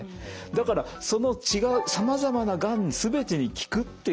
だからその違うさまざまながん全てに効くっていうことはありえない話。